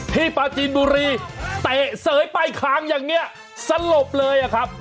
พี่ปาจีนบุรีแตะเสยไปคางอย่างนี้สลบเลยครับ